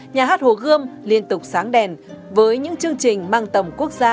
nhà hát hồ gươm liên tục sáng đèn với những chương trình mang tầm quốc gia